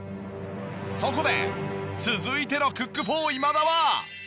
そこで続いてのクックフォー今田は？